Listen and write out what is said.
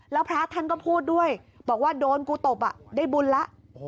แล้วพระท่านก็พูดด้วยบอกว่าโดนกูตบได้บุญแล้ว